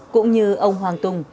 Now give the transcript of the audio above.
cũng như ông hoàng tùng